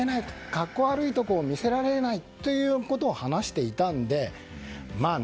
格好悪いところを見せられないということを話していたので。